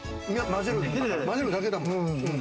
混ぜるだけだもん。